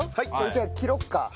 じゃあ切ろっか。